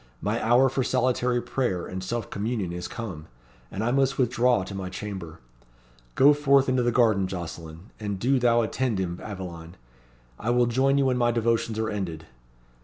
My hour for solitary prayer and self communion is come, and I must withdraw to my chamber. Go forth into the garden, Jocelyn and do thou attend him, Aveline. I will join you when my devotions are ended."